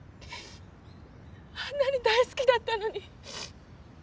あんなに大好きだったのに。